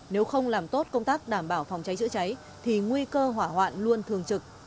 nếu không làm tốt công tác đảm bảo phòng cháy chữa cháy thì nguy cơ hỏa hoạn luôn thường trực